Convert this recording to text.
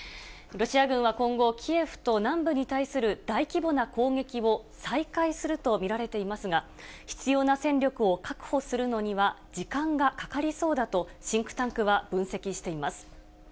ロシア軍は今後、キエフと南部に対する大規模な攻撃を再開すると見られていますが、必要な戦力を確保するのには、時間がかかりそうだと、シンクタンクは分析しています。